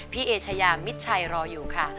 เอเชยามิดชัยรออยู่ค่ะ